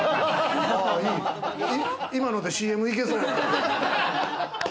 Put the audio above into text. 今のでＣＭいけそうや。